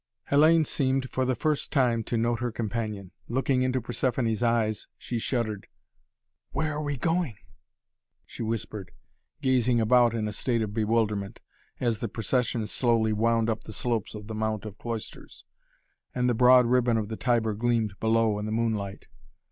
Hellayne seemed, for the first time, to note her companion. Looking into Persephoné's eyes she shuddered. "Where are we going?" she whispered, gazing about in a state of bewilderment, as the procession slowly wound up the slopes of the Mount of Cloisters, and the broad ribbon of the Tiber gleamed below in the moonlight.